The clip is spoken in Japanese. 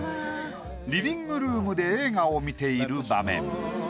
リビングルームで映画を見ている場面。